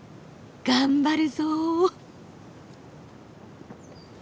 頑張るぞ！